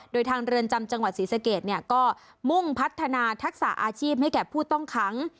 โดยทางเรือนจำจังหวัดศรีสะเกดก็มุ่งพัฒนาทักษะอาชีพให้แก่ผู้ต้องขัง